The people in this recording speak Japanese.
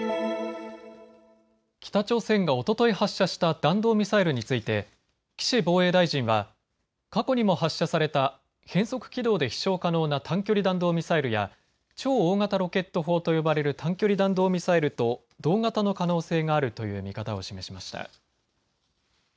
北朝鮮がおととい発射した弾道ミサイルについて岸防衛大臣は過去にも発射された変則軌道で飛しょう可能な短距離弾道ミサイルや超大型ロケット砲と呼ばれる短距離弾道ミサイルと同型の可能性があるという見方を示しました。